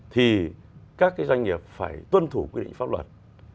thì các cái doanh nghiệp phải tuân thủ quy định pháp luật